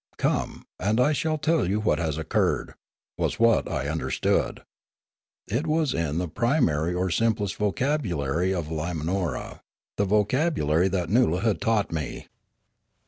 " Come, and I shall tell you what has occurred," was what I understood. It was in the primary or simplest vocabulary of Limanora, the vocabulary that Noola had taught me.